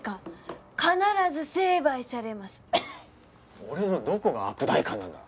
俺のどこが悪代官なんだ。